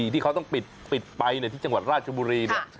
ที่เขาต้องปิดไปที่จังหวัดราชบุรีเนี่ย